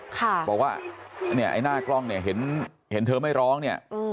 บอกว่าเนี่ยไอ้หน้ากล้องเนี่ยเห็นเธอไม่ร้องเนี่ย